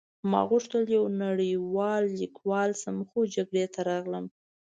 ما غوښتل یو نړۍوال لیکوال شم خو جګړې ته راغلم